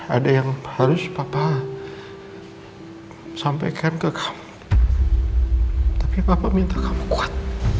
ada yang harus bapak sampaikan ke kamu tapi bapak minta kamu kuat